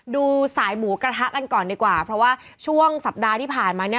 ดูสายหมูกระทะกันก่อนดีกว่าเพราะว่าช่วงสัปดาห์ที่ผ่านมาเนี่ย